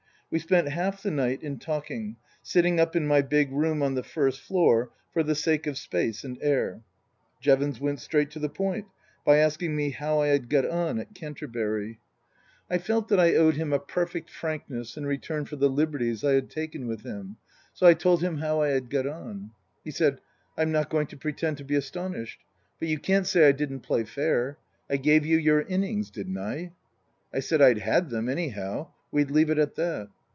We spent half the night in talking, sitting up in my big room on the first floor for the sake of space and air. Jevons went straight to the point by asking me how I had got on at Canterbury. 107 108 Tasker Jevons I felt that I owed him a perfect frankness in return for the liberties I had taken with him, so I told him how I had got on. He said, "I'm not going to pretend to be astonished. But you can't say I didn't play fair. I gave you your innings, didn't. I ?" I said I'd had them, anyhow. We'd leave it at that.